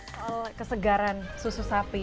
soal kesegaran susu sapi